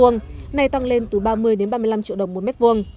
này tăng lên từ ba mươi đến ba mươi năm triệu đồng một m hai